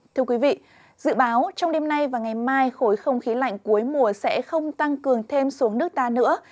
thưa quý vị dự báo trong đêm nay và ngày mai khối không khí lạnh cuối mùa sẽ không tăng cường thêm xuống nước ta nữa